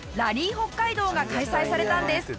北海道が開催されたんです。